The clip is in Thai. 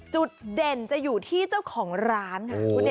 จุดเด่นจะอยู่ที่เจ้าของร้านค่ะ